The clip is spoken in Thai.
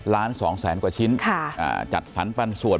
ล้านสองแสนกว่าชิ้นค่ะอ่าจัดสรรค์ปันสวน